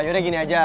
yaudah gini aja